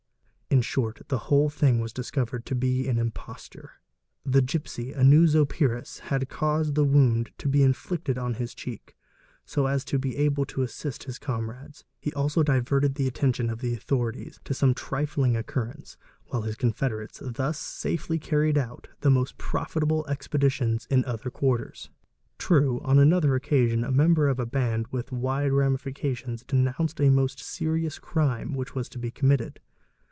In short, the whole thing was discovered to be an imposture. The gipsy, a new Zopyrus, had saused the wound to be inflicted on his cheek, so as to be able to assist his comrades. He always diverted the attention of the authorities to ome trifling occurrence, while his confederates thus safely carried out : host profitable expeditions in other quarters. _ 'True, on another occasion a member of a band with wide ramifications Zenounced a most serious crime which was to be committed.